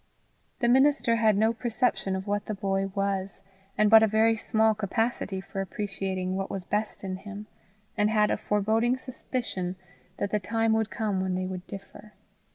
The minister had no perception of what the boy was, and but a very small capacity for appreciating what was best in him, and had a foreboding suspicion that the time would come when they would differ.